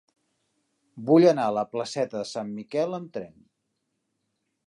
Vull anar a la placeta de Sant Miquel amb tren.